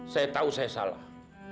saya tahu saya salah